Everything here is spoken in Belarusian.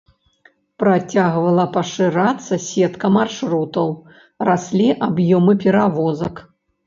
Працягвала пашырацца сетка маршрутаў, раслі аб'ёмы перавозак.